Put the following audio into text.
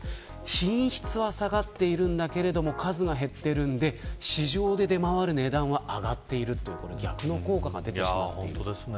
品質は下がっているけど数が減っているので市場で出回る値段は上がるという逆の効果が出てしまう。